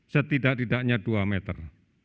setidak tidaknya dua meter